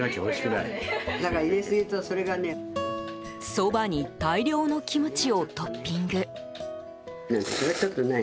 そばに大量のキムチをトッピング。